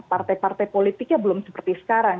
partai partai politiknya belum seperti sekarang